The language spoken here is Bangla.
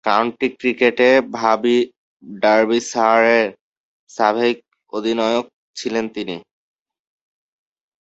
কাউন্টি ক্রিকেটে ডার্বিশায়ারের সাবেক অধিনায়ক ছিলেন তিনি।